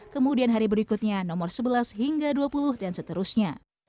kemudian hari berikutnya nomor sebelas hingga dua puluh dan seterusnya